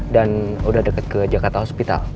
dan udah deket ke jakarta hospital